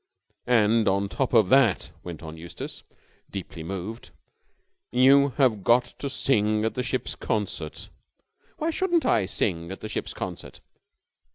"And on top of that," went on Eustace, deeply moved. "You have got to sing at the ship's concert." "Why shouldn't I sing at the ship's concert?"